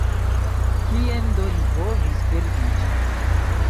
Kien do li povis perdiĝi?